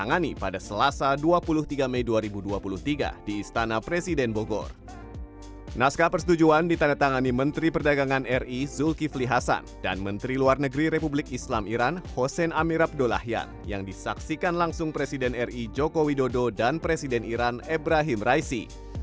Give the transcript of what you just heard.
naskah persetujuan ditandatangani menteri perdagangan ri zulkifli hasan dan menteri luar negeri republik islam iran hussein amirabdullahian yang disaksikan langsung presiden ri joko widodo dan presiden iran ebrahim raisi